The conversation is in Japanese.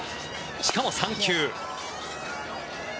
しかも３球。